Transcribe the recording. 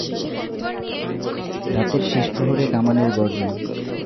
রাতের শেষ প্রহরে কামানের গর্জন।